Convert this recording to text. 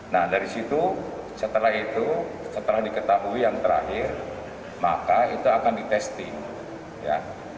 nah dari situ setelah itu setelah diketahui yang terakhir maka itu akan di testing ya